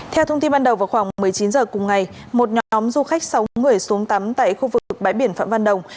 theo thông tin ban đầu vào khoảng một mươi chín h cùng ngày một nhóm du khách sáu người xuống tắm tại khu vực bãi biển phạm văn đồng